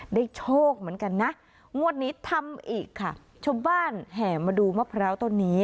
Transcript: โชคเหมือนกันนะงวดนี้ทำอีกค่ะชาวบ้านแห่มาดูมะพร้าวต้นนี้